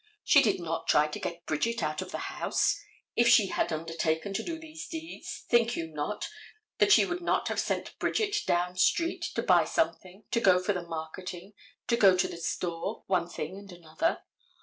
She did not try to get Bridget out of the house. If she had undertaken to do these deeds, think you not that she would not have sent Bridget down street to buy something, to go for the marketing, to go to the store, one thing and another?